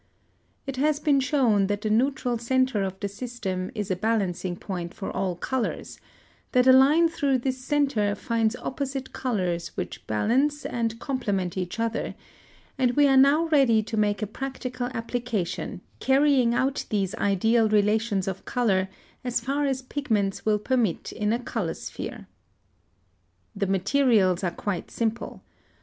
] It has been shown that the neutral centre of the system is a balancing point for all colors, that a line through this centre finds opposite colors which balance and complement each other; and we are now ready to make a practical application, carrying out these ideal relations of color as far as pigments will permit in a color sphere (Fig. 16). [Footnote 27: Patented Jan. 9, 1900.] (103) The materials are quite simple.